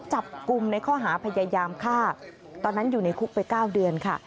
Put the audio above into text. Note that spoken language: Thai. จับกลุ่มในข้อหาพยายามฆ่าตอนนั้นอยู่ในคุกไป๙เดือนค่ะ